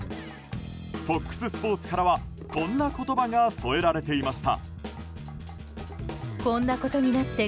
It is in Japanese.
ＦＯＸスポーツからはこんな言葉が添えられていました。